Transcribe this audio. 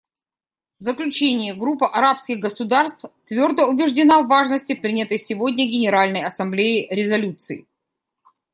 В заключение, Группа арабских государств твердо убеждена в важности принятой сегодня Генеральной Ассамблеей резолюции.